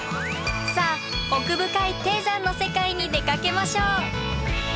さあ奥深い低山の世界に出かけましょう。